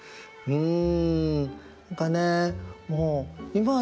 うん。